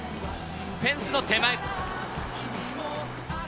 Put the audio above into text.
フェンスの手前。